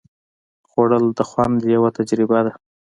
خوړل د خوند یوه تجربه ده